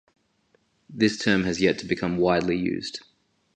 This term has yet to become widely used.